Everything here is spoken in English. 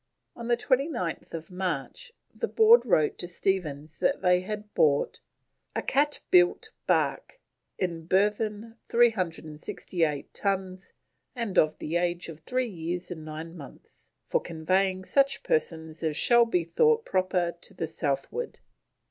On 29th March the Board wrote to Stephens that they had bought: "a cat built Bark, in Burthen 368 Tuns and of the age of three years and nine months, for conveying such persons as shall be thought proper to the Southward..."